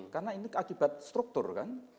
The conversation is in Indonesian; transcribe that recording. karena ini akibat struktur kan